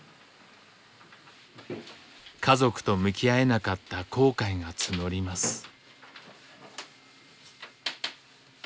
家族と向き合えなかった後悔が募ります。